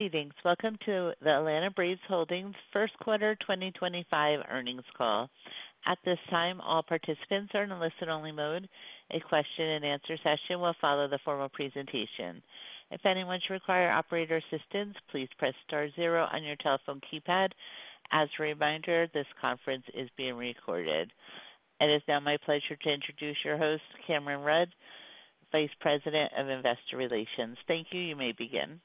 Greetings. Welcome to the Atlanta Braves Holdings' First Quarter 2025 Earnings Call. At this time, all participants are in a listen-only mode. A question and answer session will follow the formal presentation. If anyone should require operator assistance, please press star zero on your telephone keypad. As a reminder, this conference is being recorded. It is now my pleasure to introduce your host, Cameron Rudd, Vice President of Investor Relations. Thank you. You may begin.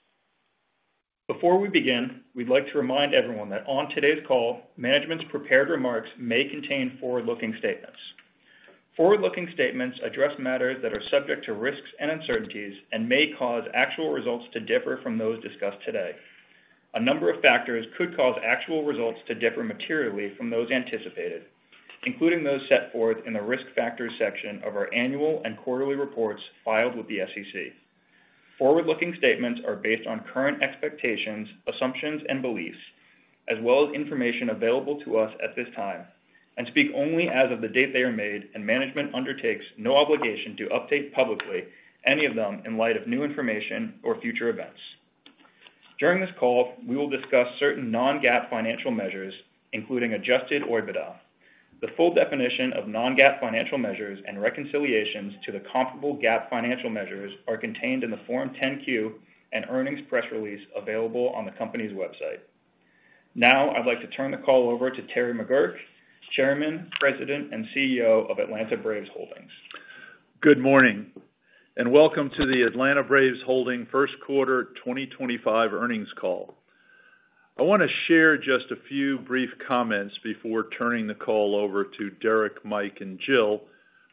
Before we begin, we'd like to remind everyone that on today's call, management's prepared remarks may contain forward-looking statements. Forward-looking statements address matters that are subject to risks and uncertainties and may cause actual results to differ from those discussed today. A number of factors could cause actual results to differ materially from those anticipated, including those set forth in the risk factors section of our annual and quarterly reports filed with the SEC. Forward-looking statements are based on current expectations, assumptions, and beliefs, as well as information available to us at this time, and speak only as of the date they are made, and management undertakes no obligation to update publicly any of them in light of new information or future events. During this call, we will discuss certain non-GAAP financial measures, including adjusted OIBDA. The full definition of non-GAAP financial measures and reconciliations to the comparable GAAP financial measures are contained in the Form 10-Q and earnings press release available on the company's website. Now, I'd like to turn the call over to Terry McGuirk, Chairman, President, and CEO of Atlanta Braves Holdings. Good morning and welcome to the Atlanta Braves Holdings' First Quarter 2025 Earnings Call. I want to share just a few brief comments before turning the call over to Derek, Mike, and Jill,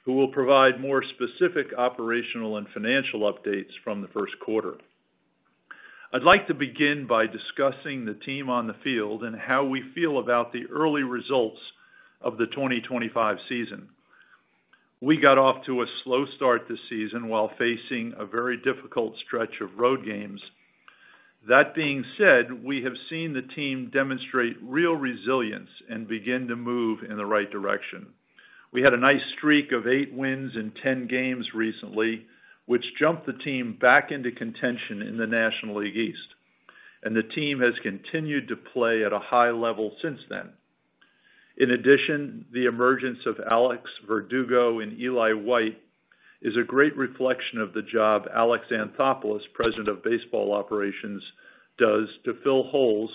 who will provide more specific operational and financial updates from the first quarter. I'd like to begin by discussing the team on the field and how we feel about the early results of the 2025 season. We got off to a slow start this season while facing a very difficult stretch of road games. That being said, we have seen the team demonstrate real resilience and begin to move in the right direction. We had a nice streak of eight wins in 10 games recently, which jumped the team back into contention in the National League East, and the team has continued to play at a high level since then. In addition, the emergence of Alex Verdugo and Eli White is a great reflection of the job Alex Anthopoulos, President of Baseball Operations, does to fill holes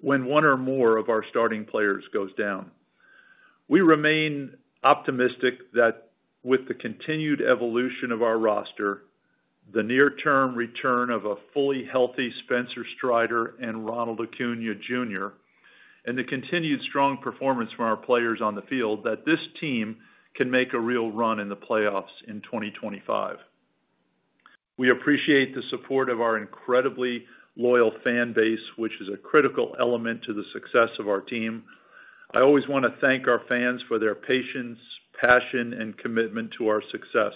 when one or more of our starting players goes down. We remain optimistic that with the continued evolution of our roster, the near-term return of a fully healthy Spencer Strider and Ronald Acuña Jr., and the continued strong performance from our players on the field, that this team can make a real run in the playoffs in 2025. We appreciate the support of our incredibly loyal fan base, which is a critical element to the success of our team. I always want to thank our fans for their patience, passion, and commitment to our success.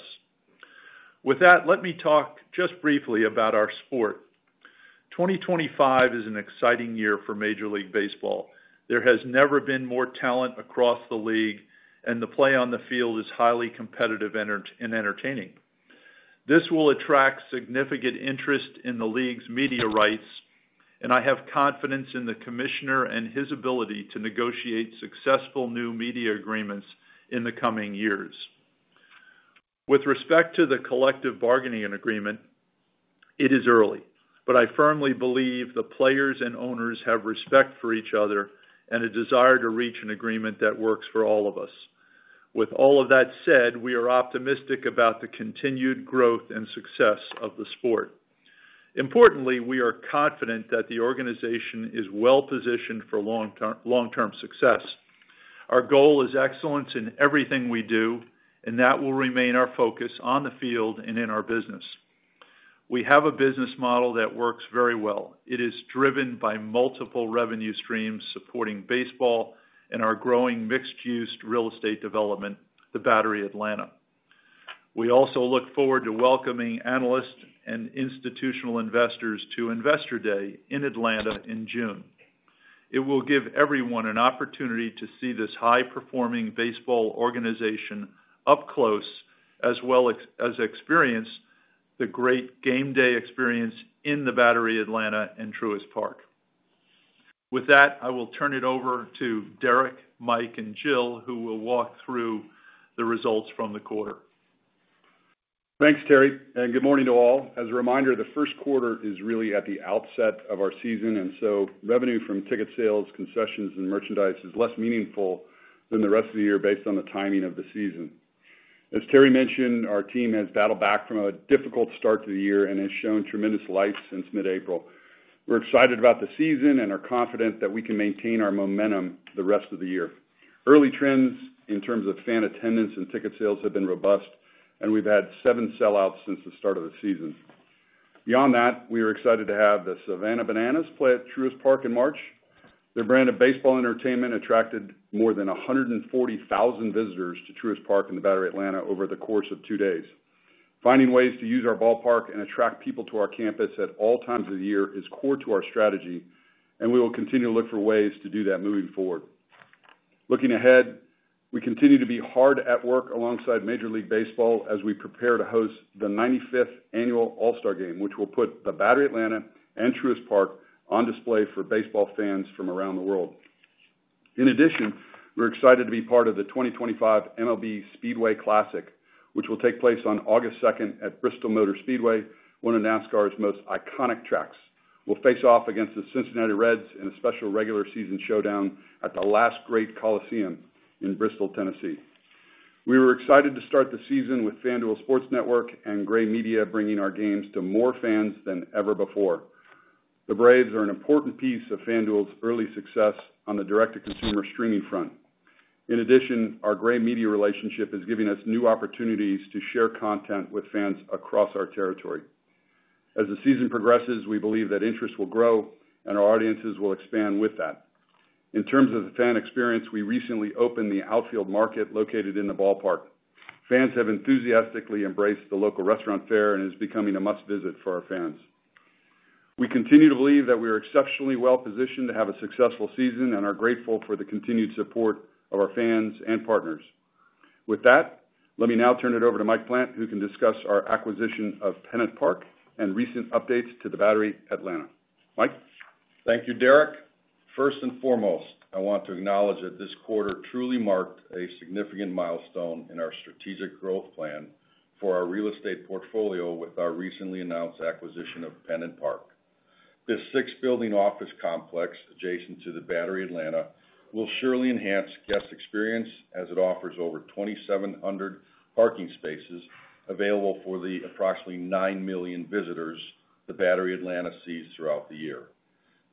With that, let me talk just briefly about our sport. 2025 is an exciting year for Major League Baseball. There has never been more talent across the league, and the play on the field is highly competitive and entertaining. This will attract significant interest in the league's media rights, and I have confidence in the Commissioner and his ability to negotiate successful new media agreements in the coming years. With respect to the collective bargaining agreement, it is early, but I firmly believe the players and owners have respect for each other and a desire to reach an agreement that works for all of us. With all of that said, we are optimistic about the continued growth and success of the sport. Importantly, we are confident that the organization is well-positioned for long-term success. Our goal is excellence in everything we do, and that will remain our focus on the field and in our business. We have a business model that works very well. It is driven by multiple revenue streams supporting baseball and our growing mixed-use real estate development, the Battery Atlanta. We also look forward to welcoming analysts and institutional investors to Investor Day in Atlanta in June. It will give everyone an opportunity to see this high-performing baseball organization up close as well as experience the great game day experience in the Battery Atlanta and Truist Park. With that, I will turn it over to Derek, Mike, and Jill, who will walk through the results from the quarter. Thanks, Terry. Good morning to all. As a reminder, the first quarter is really at the outset of our season, and so revenue from ticket sales, concessions, and merchandise is less meaningful than the rest of the year based on the timing of the season. As Terry mentioned, our team has battled back from a difficult start to the year and has shown tremendous lights since mid-April. We're excited about the season and are confident that we can maintain our momentum the rest of the year. Early trends in terms of fan attendance and ticket sales have been robust, and we've had seven sellouts since the start of the season. Beyond that, we are excited to have the Savannah Bananas play at Truist Park in March. Their brand of baseball entertainment attracted more than 140,000 visitors to Truist Park and the Battery Atlanta over the course of two days. Finding ways to use our ballpark and attract people to our campus at all times of the year is core to our strategy, and we will continue to look for ways to do that moving forward. Looking ahead, we continue to be hard at work alongside Major League Baseball as we prepare to host the 95th annual All-Star Game, which will put the Battery Atlanta and Truist Park on display for baseball fans from around the world. In addition, we're excited to be part of the 2025 MLB Speedway Classic, which will take place on August 2 at Bristol Motor Speedway, one of NASCAR's most iconic tracks. We'll face off against the Cincinnati Reds in a special regular season showdown at the Last Great Coliseum in Bristol, Tennessee. We were excited to start the season with FanDuel Sports Network and Gray Media bringing our games to more fans than ever before. The Braves are an important piece of FanDuel's early success on the direct-to-consumer streaming front. In addition, our Gray Media relationship is giving us new opportunities to share content with fans across our territory. As the season progresses, we believe that interest will grow and our audiences will expand with that. In terms of the fan experience, we recently opened the outfield market located in the ballpark. Fans have enthusiastically embraced the local restaurant fare and it is becoming a must-visit for our fans. We continue to believe that we are exceptionally well-positioned to have a successful season and are grateful for the continued support of our fans and partners. With that, let me now turn it over to Mike Plant, who can discuss our acquisition of Pennant Park and recent updates to the Battery Atlanta. Mike. Thank you, Derek. First and foremost, I want to acknowledge that this quarter truly marked a significant milestone in our strategic growth plan for our real estate portfolio with our recently announced acquisition of Pennant Park. This six-building office complex adjacent to the Battery Atlanta will surely enhance guest experience as it offers over 2,700 parking spaces available for the approximately 9 million visitors the Battery Atlanta sees throughout the year.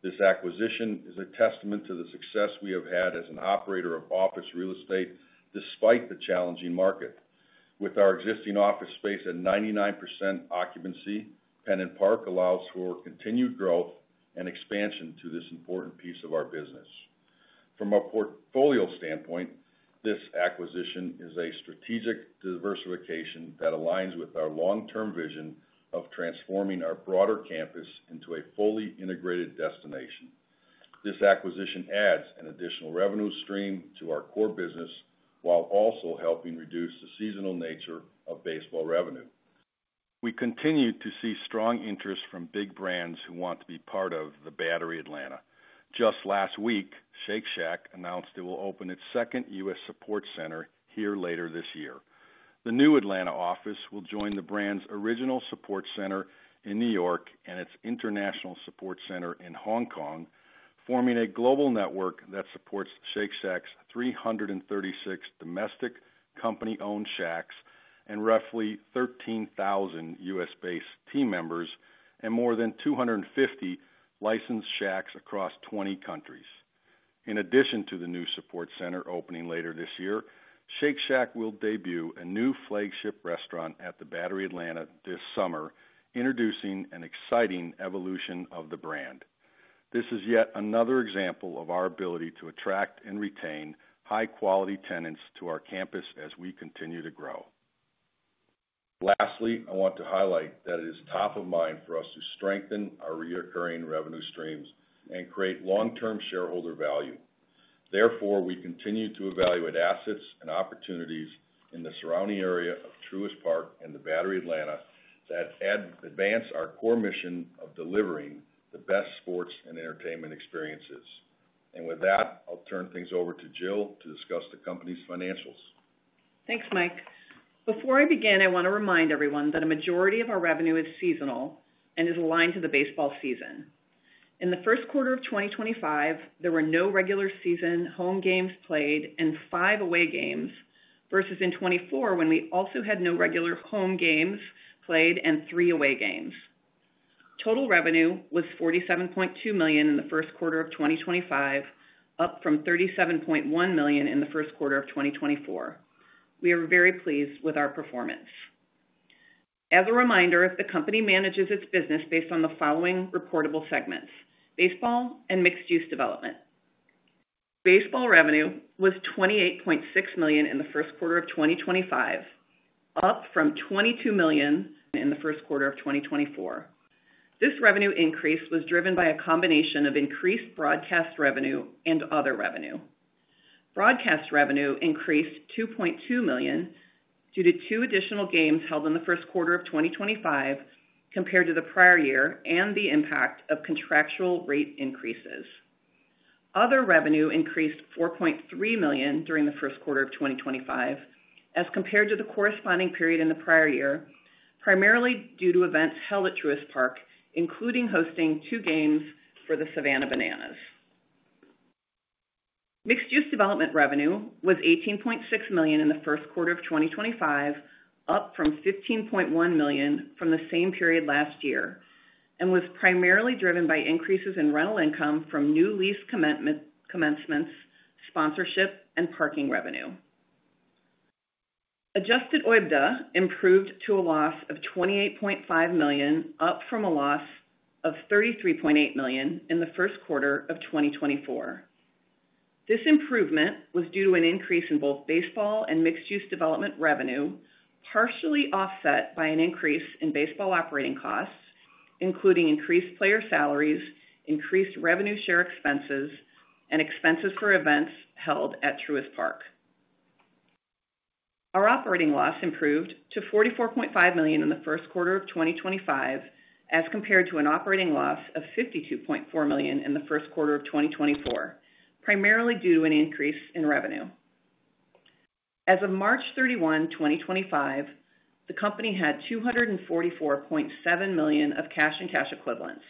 This acquisition is a testament to the success we have had as an operator of office real estate despite the challenging market. With our existing office space at 99% occupancy, Pennant Park allows for continued growth and expansion to this important piece of our business. From a portfolio standpoint, this acquisition is a strategic diversification that aligns with our long-term vision of transforming our broader campus into a fully integrated destination. This acquisition adds an additional revenue stream to our core business while also helping reduce the seasonal nature of baseball revenue. We continue to see strong interest from big brands who want to be part of The Battery Atlanta. Just last week, Shake Shack announced it will open its second U.S. support center here later this year. The new Atlanta office will join the brand's original support center in New York and its international support center in Hong Kong, forming a global network that supports Shake Shack's 336 domestic company-owned shacks and roughly 13,000 U.S.-based team members and more than 250 licensed shacks across 20 countries. In addition to the new support center opening later this year, Shake Shack will debut a new flagship restaurant at The Battery Atlanta this summer, introducing an exciting evolution of the brand. This is yet another example of our ability to attract and retain high-quality tenants to our campus as we continue to grow. Lastly, I want to highlight that it is top of mind for us to strengthen our reoccurring revenue streams and create long-term shareholder value. Therefore, we continue to evaluate assets and opportunities in the surrounding area of Truist Park and the Battery Atlanta that advance our core mission of delivering the best sports and entertainment experiences. With that, I'll turn things over to Jill to discuss the company's financials. Thanks, Mike. Before I begin, I want to remind everyone that a majority of our revenue is seasonal and is aligned to the baseball season. In the first quarter of 2025, there were no regular season home games played and five away games versus in 2024 when we also had no regular home games played and three away games. Total revenue was $47.2 million in the first quarter of 2025, up from $37.1 million in the first quarter of 2024. We are very pleased with our performance. As a reminder, the company manages its business based on the following reportable segments: baseball and mixed-use development. Baseball revenue was $28.6 million in the first quarter of 2025, up from $22 million in the first quarter of 2024. This revenue increase was driven by a combination of increased broadcast revenue and other revenue. Broadcast revenue increased $2.2 million due to two additional games held in the first quarter of 2025 compared to the prior year and the impact of contractual rate increases. Other revenue increased $4.3 million during the first quarter of 2025 as compared to the corresponding period in the prior year, primarily due to events held at Truist Park, including hosting two games for the Savannah Bananas. Mixed-use development revenue was $18.6 million in the first quarter of 2025, up from $15.1 million from the same period last year, and was primarily driven by increases in rental income from new lease commencements, sponsorship, and parking revenue. Adjusted OIBDA improved to a loss of $28.5 million, up from a loss of $33.8 million in the first quarter of 2024. This improvement was due to an increase in both baseball and mixed-use development revenue, partially offset by an increase in baseball operating costs, including increased player salaries, increased revenue share expenses, and expenses for events held at Truist Park. Our operating loss improved to $44.5 million in the first quarter of 2025 as compared to an operating loss of $52.4 million in the first quarter of 2024, primarily due to an increase in revenue. As of March 31, 2025, the company had $244.7 million of cash and cash equivalents.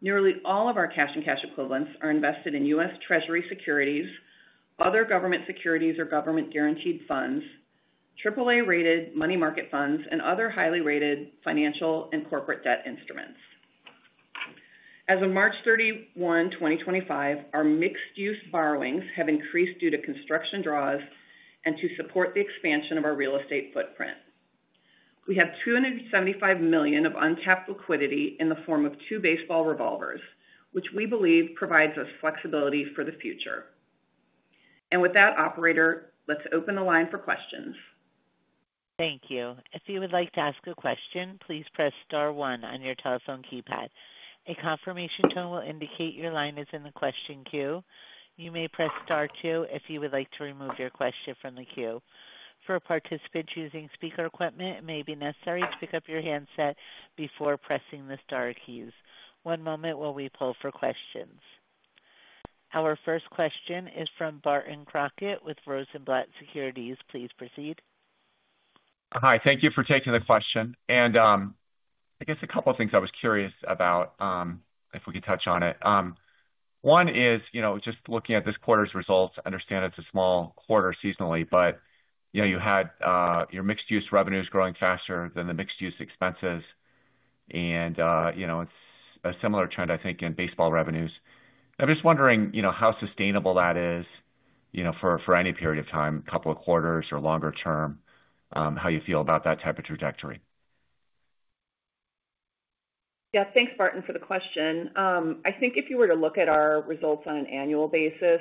Nearly all of our cash and cash equivalents are invested in U.S. Treasury securities, other government securities or government-guaranteed funds, AAA-rated money market funds, and other highly-rated financial and corporate debt instruments. As of March 31, 2025, our mixed-use borrowings have increased due to construction draws and to support the expansion of our real estate footprint. We have $275 million of untapped liquidity in the form of two baseball revolvers, which we believe provides us flexibility for the future. With that, operator, let's open the line for questions. Thank you. If you would like to ask a question, please press star one on your telephone keypad. A confirmation tone will indicate your line is in the question queue. You may press star two if you would like to remove your question from the queue. For participants using speaker equipment, it may be necessary to pick up your handset before pressing the star keys. One moment while we pull for questions. Our first question is from Barton Crockett with Rosenblatt Securities. Please proceed. Hi. Thank you for taking the question. I guess a couple of things I was curious about, if we could touch on it. One is, just looking at this quarter's results, I understand it's a small quarter seasonally, but you had your mixed-use revenues growing faster than the mixed-use expenses. It's a similar trend, I think, in baseball revenues. I'm just wondering how sustainable that is for any period of time, a couple of quarters or longer term, how you feel about that type of trajectory. Yeah. Thanks, Barton, for the question. I think if you were to look at our results on an annual basis,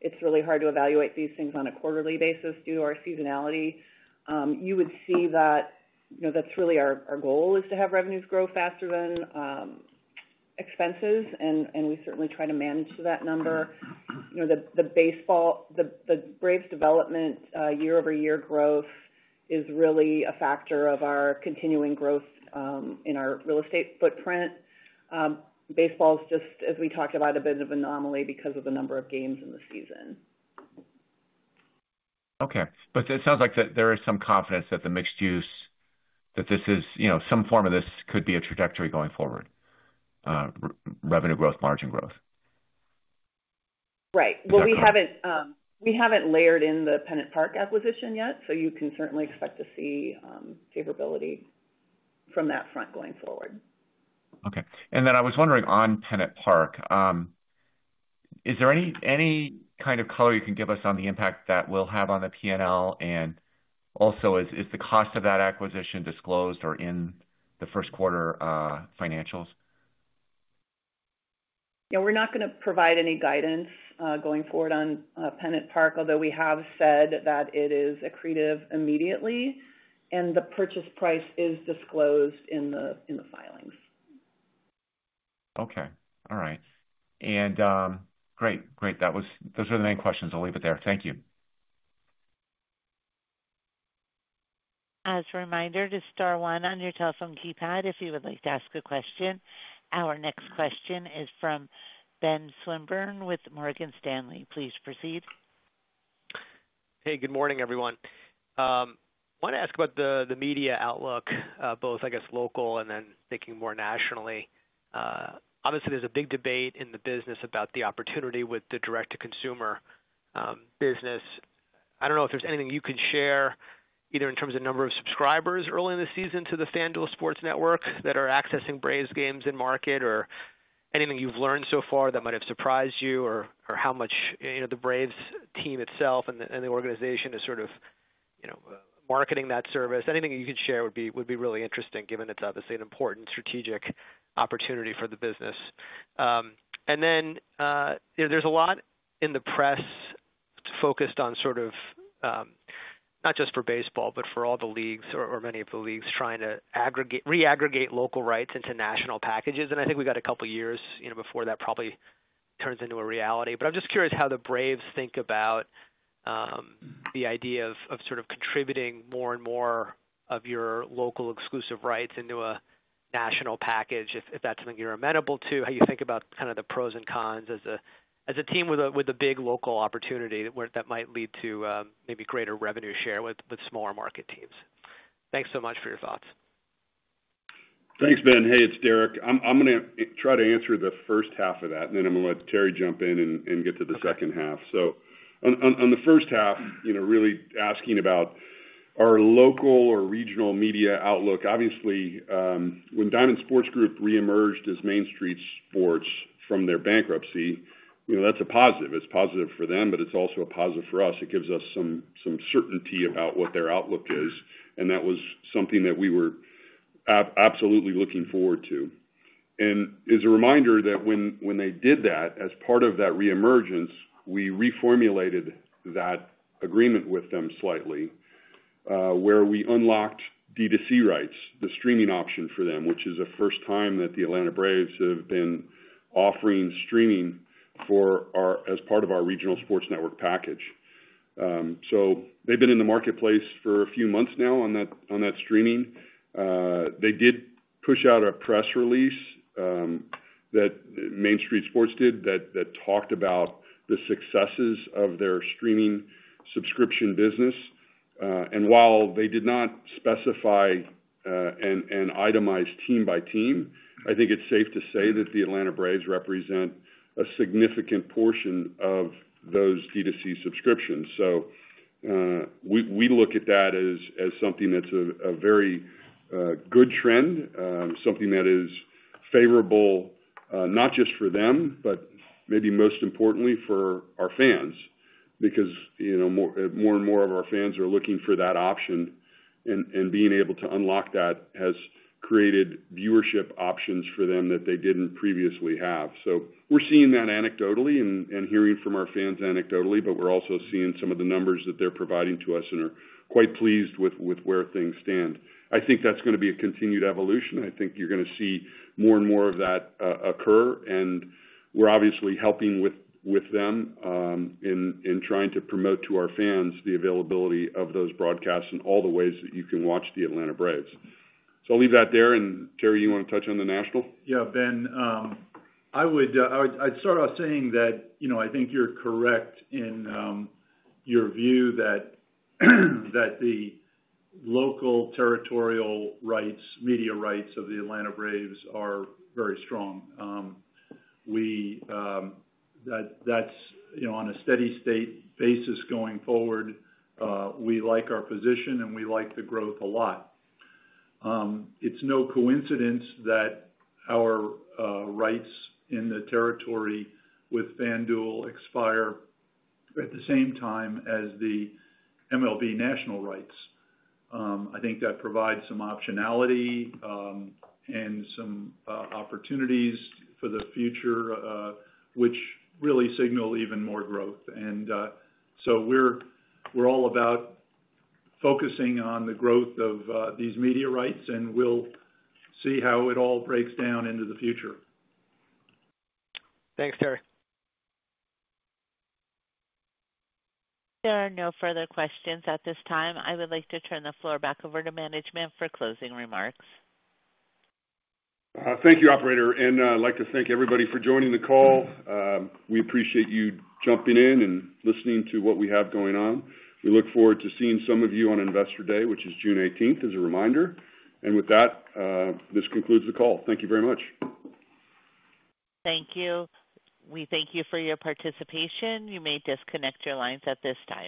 it's really hard to evaluate these things on a quarterly basis due to our seasonality. You would see that that's really our goal is to have revenues grow faster than expenses, and we certainly try to manage to that number. The Braves' development, year-over-year growth, is really a factor of our continuing growth in our real estate footprint. Baseball is just, as we talked about, a bit of an anomaly because of the number of games in the season. Okay. It sounds like there is some confidence that the mixed-use, that this is some form of this could be a trajectory going forward, revenue growth, margin growth. Right. We haven't layered in the Pennant Park acquisition yet, so you can certainly expect to see favorability from that front going forward. Okay. I was wondering on Pennant Park, is there any kind of color you can give us on the impact that will have on the P&L? Also, is the cost of that acquisition disclosed or in the first quarter financials? Yeah. We're not going to provide any guidance going forward on Pennant Park, although we have said that it is accretive immediately, and the purchase price is disclosed in the filings. Okay. All right. Great. Those are the main questions. I'll leave it there. Thank you. As a reminder, to star one on your telephone keypad if you would like to ask a question. Our next question is from Ben Swinburne with Morgan Stanley. Please proceed. Hey, good morning, everyone. I want to ask about the media outlook, both, I guess, local and then thinking more nationally. Obviously, there's a big debate in the business about the opportunity with the direct-to-consumer business. I don't know if there's anything you can share either in terms of number of subscribers early in the season to the FanDuel Sports Network that are accessing Braves games and market, or anything you've learned so far that might have surprised you, or how much the Braves team itself and the organization is sort of marketing that service. Anything you can share would be really interesting given it's obviously an important strategic opportunity for the business. There is a lot in the press focused on sort of not just for baseball, but for all the leagues or many of the leagues trying to re-aggregate local rights into national packages. I think we've got a couple of years before that probably turns into a reality. I'm just curious how the Braves think about the idea of sort of contributing more and more of your local exclusive rights into a national package, if that's something you're amenable to. How you think about kind of the pros and cons as a team with a big local opportunity that might lead to maybe greater revenue share with smaller market teams. Thanks so much for your thoughts. Thanks, Ben. Hey, it's Derek. I'm going to try to answer the first half of that, and then I'm going to let Terry jump in and get to the second half. On the first half, really asking about our local or regional media outlook. Obviously, when Diamond Sports Group re-emerged as Main Street Sports from their bankruptcy, that's a positive. It's positive for them, but it's also a positive for us. It gives us some certainty about what their outlook is, and that was something that we were absolutely looking forward to. As a reminder, when they did that, as part of that re-emergence, we reformulated that agreement with them slightly, where we unlocked D2C rights, the streaming option for them, which is the first time that the Atlanta Braves have been offering streaming as part of our regional sports network package. They've been in the marketplace for a few months now on that streaming. They did push out a press release that Main Street Sports did that talked about the successes of their streaming subscription business. While they did not specify and itemize team by team, I think it's safe to say that the Atlanta Braves represent a significant portion of those D2C subscriptions. We look at that as something that's a very good trend, something that is favorable not just for them, but maybe most importantly for our fans, because more and more of our fans are looking for that option, and being able to unlock that has created viewership options for them that they didn't previously have. We're seeing that anecdotally and hearing from our fans anecdotally, but we're also seeing some of the numbers that they're providing to us and are quite pleased with where things stand. I think that's going to be a continued evolution. I think you're going to see more and more of that occur. We're obviously helping with them in trying to promote to our fans the availability of those broadcasts and all the ways that you can watch the Atlanta Braves. I'll leave that there. Terry, you want to touch on the national? Yeah, Ben. I'd start off saying that I think you're correct in your view that the local territorial rights, media rights of the Atlanta Braves are very strong. That's on a steady state basis going forward. We like our position, and we like the growth a lot. It's no coincidence that our rights in the territory with FanDuel expire at the same time as the MLB national rights. I think that provides some optionality and some opportunities for the future, which really signal even more growth. We're all about focusing on the growth of these media rights, and we'll see how it all breaks down into the future. Thanks, Terry. There are no further questions at this time. I would like to turn the floor back over to management for closing remarks. Thank you, operator. I'd like to thank everybody for joining the call. We appreciate you jumping in and listening to what we have going on. We look forward to seeing some of you on Investor Day, which is June 18th, as a reminder. With that, this concludes the call. Thank you very much. Thank you. We thank you for your participation. You may disconnect your lines at this time.